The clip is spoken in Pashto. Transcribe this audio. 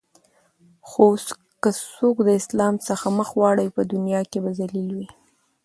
خو که څوک د اسلام څخه مخ واړوی په دنیا کی به ذلیل وی